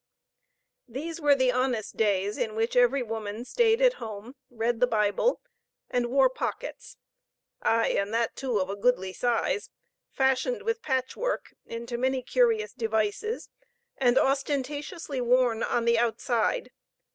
These were the honest days, in which every woman stayed at home, read the Bible, and wore pockets ay, and that too of a goodly size, fashioned with patchwork into many curious devices, and ostentatiously worn on the outside.